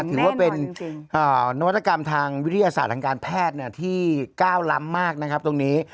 ถือว่าเป็นนวัตกรรมทางวิทยาศาสตร์ทางการแพทย์ที่ก้าวล้ำมากนะครับตรงนี้